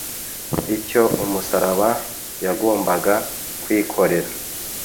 icyo umusaraba yagombaga kwikorera